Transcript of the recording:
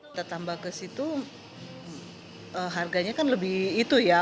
kita tambah ke situ harganya kan lebih itu ya